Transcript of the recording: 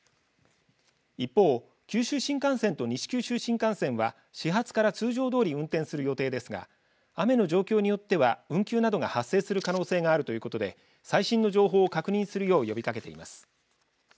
一方、九州新幹線と西九州新幹線は始発から通常どおり運転する予定ですが雨の状況によっては運休などが発生する可能性があるということで最新の情報を確認するよう呼びかけています。